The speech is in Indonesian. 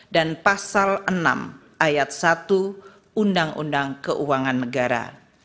dan pasal enam ayat satu undang undang keuangan negara